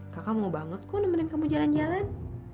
kakak mau banget kok nemenin kamu jalan jalan